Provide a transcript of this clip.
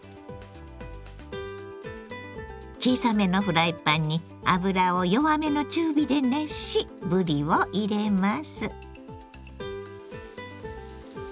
小さめのフライパンに油を弱めの中火で熱しぶりを入れます。